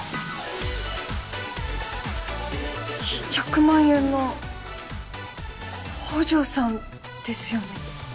１００万円の北條さんですよね？